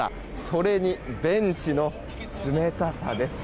それにベンチの冷たさです。